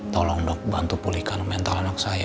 tolong dok bantu pulihkan mental anak saya